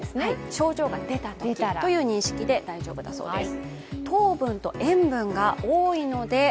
症状が出たときという認識で大丈夫だそうです。